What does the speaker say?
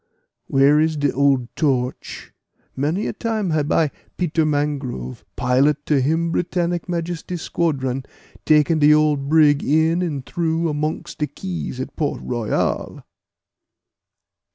Where is de old Torch? Many a time hab I, Peter Mangrove, pilot to Him Britannic Majesty squadron, taken de old brig in and through amongst de keys at Port Royal!"